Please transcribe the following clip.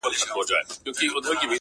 درس د میني راکه بیا همدم راکه،